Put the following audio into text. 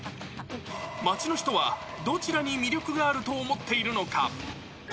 街の人はどちらに魅力があると思っているのか。